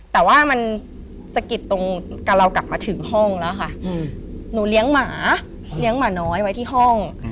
แต่ว่ามันสะกิดตรงกับเรากลับมาถึงห้องแล้วค่ะหนูเลี้ยงหมาเลี้ยงหมาน้อยไว้ที่ห้อง